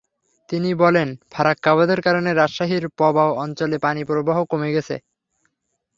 তিনি বলেন, ফারাক্কা বাঁধের কারণে রাজশাহীর পবা অঞ্চলে পানিপ্রবাহ কমে গেছে।